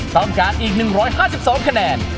ต้องการอีก๑๕๒คะแนน